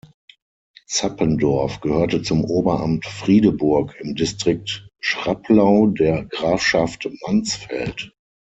Zappendorf gehörte zum Oberamt Friedeburg im Distrikt Schraplau der Grafschaft Mansfeld.